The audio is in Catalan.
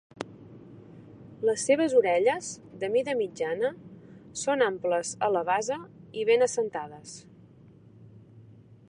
Les seves orelles, de mida mitjana, són amples a la base i ben assentades.